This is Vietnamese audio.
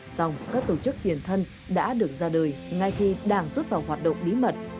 xong các tổ chức tiền thân đã được ra đời ngay khi đảng rút vào hoạt động bí mật